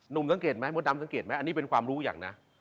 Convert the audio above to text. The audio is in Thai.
สังเกตไหมมดดำสังเกตไหมอันนี้เป็นความรู้อย่างนะ